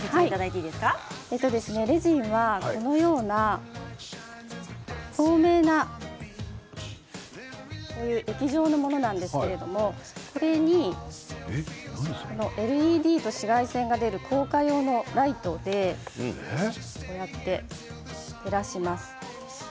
レジンは、透明な液状のものなんですけれどもこれにＬＥＤ、紫外線が出る硬化用のライトで照らします。